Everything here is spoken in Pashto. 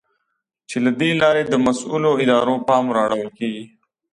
چې له دې لارې د مسؤلو ادارو پام را اړول کېږي.